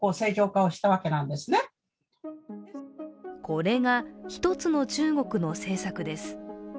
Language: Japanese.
これが一つの中国の政策です。